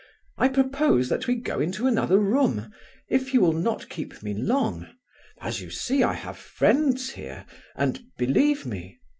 I propose that we go into another room, if you will not keep me long... As you see, I have friends here, and believe me..."